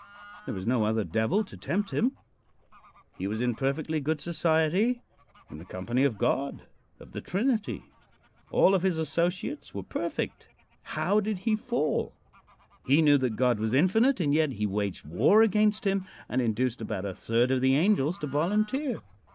There was no other devil to tempt him. He was in perfectly good society in the company of God of the Trinity. All of his associates were perfect. How did he fall? He knew that God was infinite, and yet he waged war against him and induced about a third of the angels to volunteer.